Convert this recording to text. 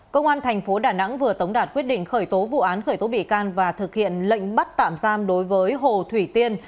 công an thành phố đà nẵng vừa tống đạt quyết định khởi tố vụ án khởi tố bị can và thực hiện lệnh bắt tạm giam đối với hồ thủy tiên